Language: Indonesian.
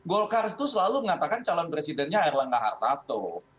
golkar itu selalu mengatakan calon presidennya erlang kahartato